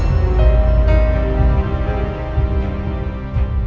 nggak jadi masalah